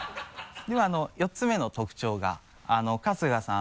で４つ目の特徴が春日さん